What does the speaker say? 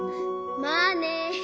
まあね。